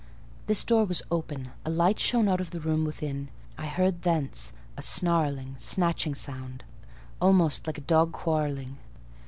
This door was open; a light shone out of the room within: I heard thence a snarling, snatching sound, almost like a dog quarrelling.